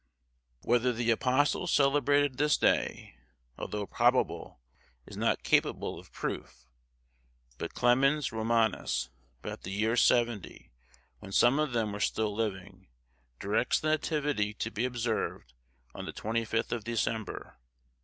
Whether the Apostles celebrated this day, although probable, is not capable of proof; but Clemens Romanus, about the year 70, when some of them were still living, directs the Nativity to be observed on the 25th of December.